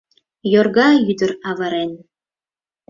Йорга ӱдыр авырен.